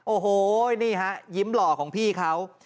โอ้โหนี่ฮะยิ้มหล่อของพี่เขา